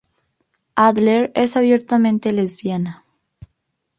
Adler es abiertamente lesbiana.